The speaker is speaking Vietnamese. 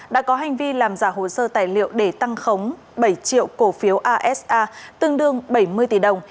đã có hành vi làm giả hồ sơ tài liệu để tăng khống bảy triệu cổ phiếu asa tương đương bảy mươi tỷ đồng